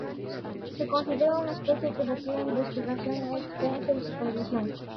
Se considera una especie que requiere investigación extensa y supervisión.